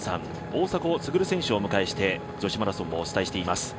大迫傑選手をお迎えして女子マラソンをお伝えしています。